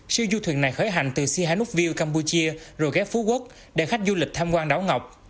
siêu du thuyền này khởi hành từ sihanoukville campuchia rồi ghé phú quốc để khách du lịch thăm quan đảo ngọc